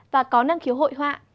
và có năng khiếu hội họa